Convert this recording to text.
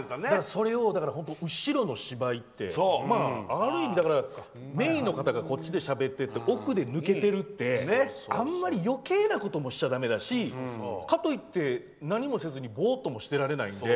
それを、後ろの芝居ってある意味、メインの方がこっちでしゃべって奥で抜けてるってあんまり余計なこともしちゃだめだしかといって、何もせずにボーっともしてられないので。